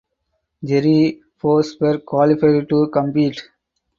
Jere Forsberg qualified to compete.